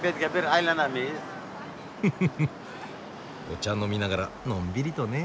お茶飲みながらのんびりとね。